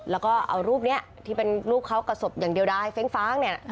แล้วก็เอารูปนี้ที่เป็นรูปเขากับศพอย่างเดียวได้เฟ้งฟ้างเนี่ย